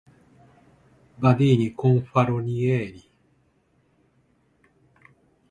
Badini Confalonieri